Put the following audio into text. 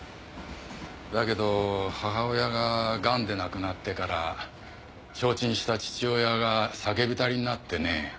だけど母親ががんで亡くなってから消沈した父親が酒浸りになってね